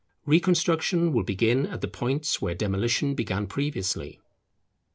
Reconstruction will begin at the points where demolition began previously.